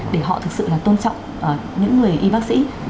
để họ thực sự là tôn trọng những người y bác sĩ